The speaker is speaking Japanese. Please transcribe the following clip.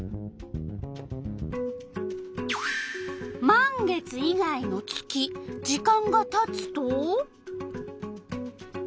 満月以外の月時間がたつと？